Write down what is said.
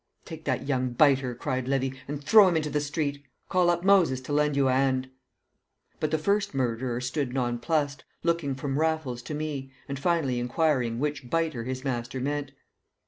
"Take that young biter," cried Levy, "and throw him into the street. Call up Moses to lend you a 'and." But the first murderer stood nonplussed, looking from Raffles to me, and finally inquiring which biter his master meant.